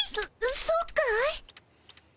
そそうかい？